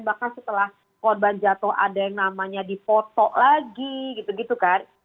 bahkan setelah korban jatuh ada yang namanya dipotok lagi gitu gitu kan